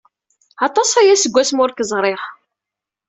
Aṭas aya seg wasmi ur k-ẓriɣ!